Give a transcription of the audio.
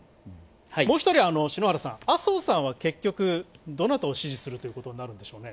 もう一人、篠原さん、麻生さんは結局、どなたを支持するということになるんでしょうね？